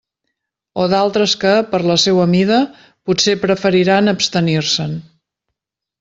O d'altres que, per la seua mida, potser preferiran abstenir-se'n.